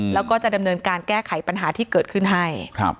แล้วก็จะดำเนินการแก้ไขปัญหาที่เกิดขึ้นให้